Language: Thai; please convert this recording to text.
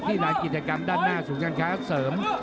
ที่รายกิจกรรมด้านหน้าสู่การค้าเสริม